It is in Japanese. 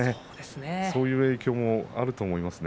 そういう影響もあると思いますよ。